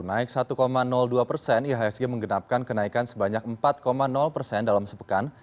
naik satu dua persen ihsg menggenapkan kenaikan sebanyak empat persen dalam sepekan